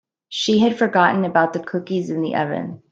She had forgotten about the cookies in the oven.